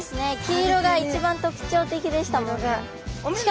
黄色が一番特徴的でしたもんね。